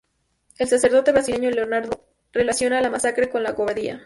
El sacerdote brasileño Leonardo Boff relaciona la masacre con la cobardía.